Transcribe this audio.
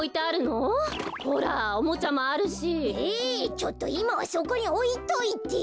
ちょっといまはそこにおいといて。